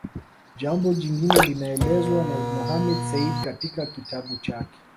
Jambo jingine linaelezwa na Mohamed Said katika kitabu chake